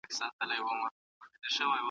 موږ باید په خپلو علمي لاسته راوړنو وویاړو.